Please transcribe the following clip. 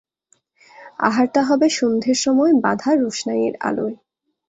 আহারটা হবে সন্ধের সময় বাঁধা রোশনাইয়ের আলোয়।